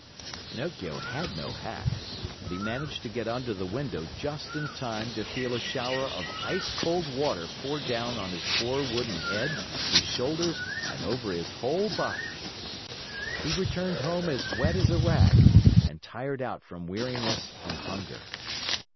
Pinocchio had no hat, but he managed to get under the window just in time to feel a shower of ice cold water pour down on his poor wooden head, his shoulders, and over his whole body. He returned home as wet as a rag, and tired out from weariness and hunger.